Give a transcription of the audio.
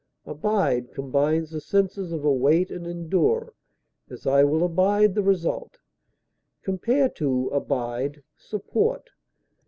Abide combines the senses of await and endure; as, I will abide the result. Compare ABIDE; SUPPORT.